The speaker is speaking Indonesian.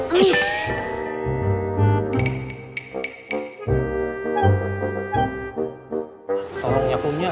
tolong ya kumnya